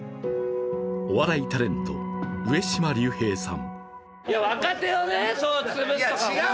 お笑いタレント、上島竜兵さん。